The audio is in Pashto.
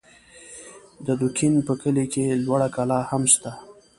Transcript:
د دوکین په کلي کې لوړه کلا هم سته